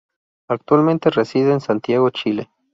Actualmente reside en Santiago, Chile.